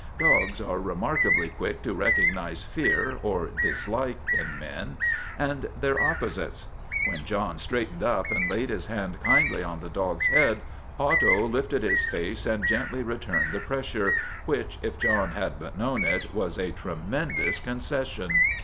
Dogs are remarkably quick to recognize fear or dislike in men, and their op 136 STRIKE AT TIVERTON MANOR posites. When John straightened up and laid his hand kindly on the dog's head, Otto lifted his face and gently returned the pressure, which, if John had but known it, was a tremendous concession.